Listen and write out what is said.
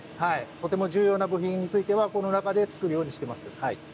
とても重要な部品についてはこの中で作るようにしてます。